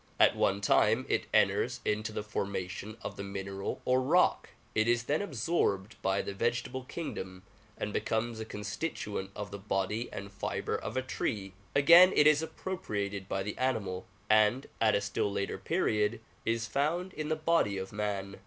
At one time it enters into the forma tion of the mineral or rock; it is then absorbed by the vegetable kingdom and becomes a constituent of the body and fibre of a tree ; again it is appropriated by the animal, and at a still later period is found in the body of man.